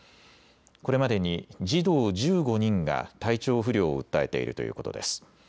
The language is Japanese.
これまでに児童１５人が体調不良を訴えているということです。